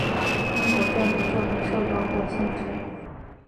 英国政府作品受到或限制。